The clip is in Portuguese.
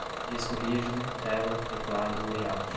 disco rígido, tela, teclado, layout